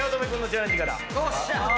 よっしゃ！